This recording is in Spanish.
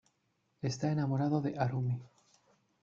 Está enamorado de Harumi.